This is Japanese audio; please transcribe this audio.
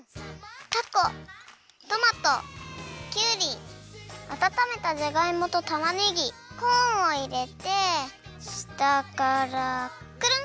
たこトマトきゅうりあたためたじゃがいもとたまねぎコーンをいれてしたからクルン。